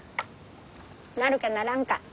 なるかならんか？